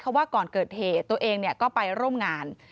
เพราะว่าก่อนเกิดเหตุตัวเองก็ไปร่วมงาน